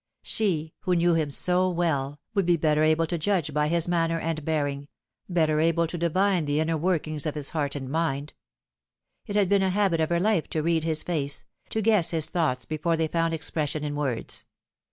She, who knew him so well, would be better able to judge by his manner and bearing better able to divine the inner workings of his heart and mind. It had been a habit of her life to read his face, to guess his thoughts before they found expression in words.